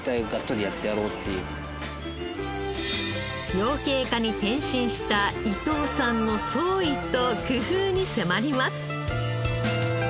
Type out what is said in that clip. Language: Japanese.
養鶏家に転身した伊藤さんの創意と工夫に迫ります。